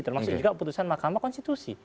termasuk juga putusan mahkamah konstitusi